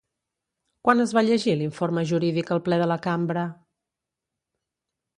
Quan es va llegir l'informe jurídic al ple de la cambra?